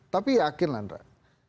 tapi yakin lah